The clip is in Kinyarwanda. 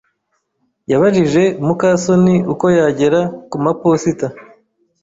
yabajije muka soni uko yagera kumaposita.